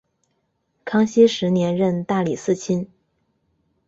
康熙十年任大理寺卿。